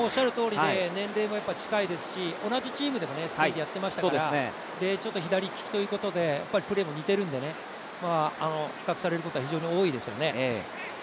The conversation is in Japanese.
年齢も近いですし、同じチームでもスペインでやっていましたから、左利きということでプレーも似てるんで比較されることは非常に多いですよね。